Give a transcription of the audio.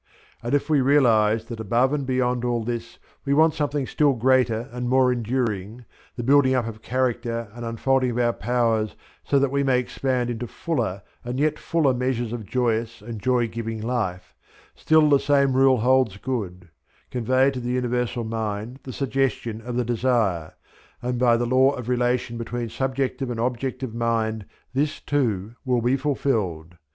And if we realize that above and beyond all this we want something still greater and more enduring, the building up of character and unfolding of our powers so that we may expand into fuller and yet fuller measures of joyous and joy giving Life, still the same rule holds good: convey to the Universal Mind the suggestion of the desire, and by the law of relation between subjective and objective mind this too will be fulfilled.